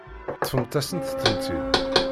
Ṭṭfemt-asent-tent-id.